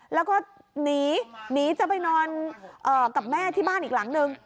แล้วก็หนีหนีจะไปนอนกับแม่ที่บ้านอีกหลังนึง